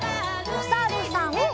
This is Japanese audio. おさるさん。